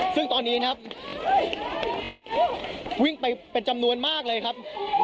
ซึ่งตอนนี้นะครับวิ่งไปเป็นจำนวนมากเลยครับ